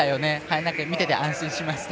見ていて安心しました。